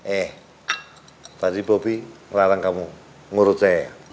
eh tadi bopi ngelarang kamu ngurutnya ya